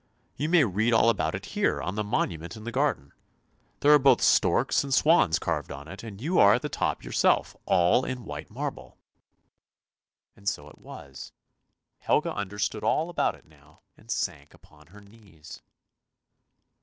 You may read all about it here, on the monument in the garden. There are both storks and 3 o8 ANDERSEN'S FAIRY TALES swans carved on it, and you are at the top yourself, all in white marble." And so it was; Helga understood all about it now and sank upon her knees.